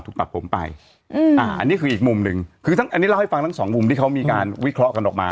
ตัดผมไปอืมอ่าอันนี้คืออีกมุมหนึ่งคือทั้งอันนี้เล่าให้ฟังทั้งสองมุมที่เขามีการวิเคราะห์กันออกมา